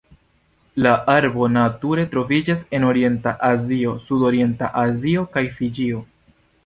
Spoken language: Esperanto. La arbo nature troviĝas en Orienta Azio, Sudorienta Azio kaj Fiĝio.